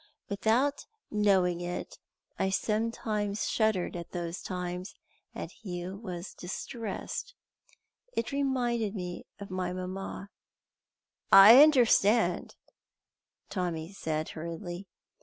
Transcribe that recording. Without knowing it I sometimes shuddered at those times, and he was distressed. It reminded him of my mamma." "I understand," Tommy said hurriedly.